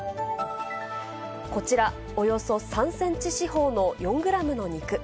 こちら、およそ３センチ四方の４グラムの肉。